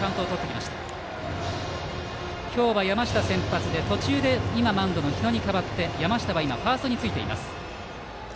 今日は山下先発で途中で今マウンドの日野に代わって、山下は今ファーストについています。